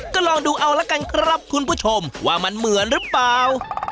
ก็ลองดูเอาละกันครับคุณผู้ชมว่ามันเหมือนหรือเปล่า